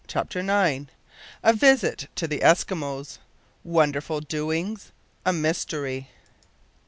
CHAPTER NINE. A VISIT TO THE ESKIMOS WONDERFUL DOINGS A MYSTERY.